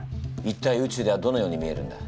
一体うちゅうではどのように見えるんだ？